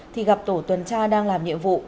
thì gặp tổ tuần tra đang làm nhiệm vụ